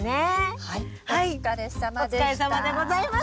お疲れさまでした。